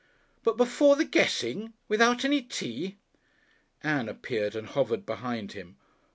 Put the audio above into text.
"But before the guessing! Without any tea!" Ann appeared and hovered behind him.